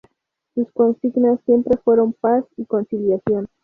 Sus consignas siempre fueron: paz y conciliación.